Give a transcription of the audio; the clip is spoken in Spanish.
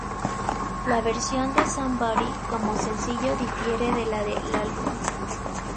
La versión de "Somebody" como sencillo difiere de la del álbum.